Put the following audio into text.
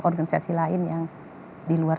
organisasi lain yang di luar